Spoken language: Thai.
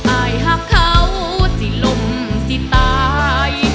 อายหักเขาสิลมสิตาย